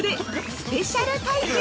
スペシャル対決